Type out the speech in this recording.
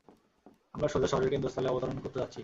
আমরা সোজা শহরের কেন্দ্রস্থলে অবতরণ করতে যাচ্ছি।